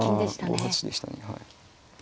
５八でしたね。